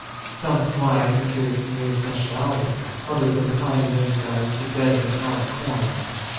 Some slide into mere sensuality. Others incline in their desires to dead metallic coin.